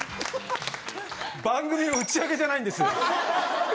番組の打ち上げじゃないんですよ